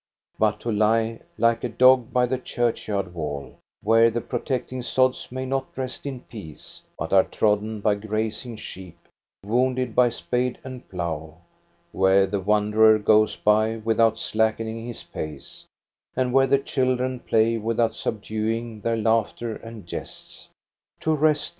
But to lie like a dog by the churchyard wall, where the protecting sods may not rest in peace, but are trodden by grazing sheep, wounded by spade and plough, where the wanderer goes by without slacken ing his pace, and where the children play without subduing their laughter and jests, — to rest there.